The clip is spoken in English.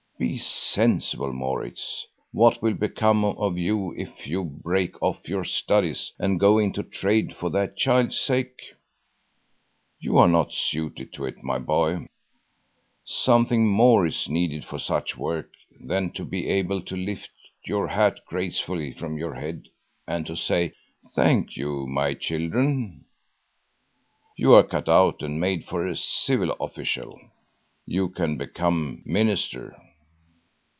Be sensible, Maurits; what will become of you if you break off your studies and go into trade for that child's sake. You are not suited to it, my boy. Something more is needed for such work than to be able to lift your hat gracefully from your head and to say: 'Thank you, my children!' You are cut out and made for a civil official. You can become minister."